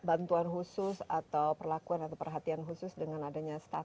ada bantuan khusus atau perlakuan atau perhatian khusus dengan adanya setelah ini